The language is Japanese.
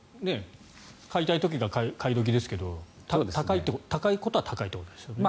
買いたい時が買い時ですけど高いことは高いということですよね。